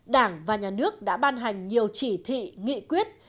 đảng và nhà nước đã ban hành nhiều chỉ thị nghị quyết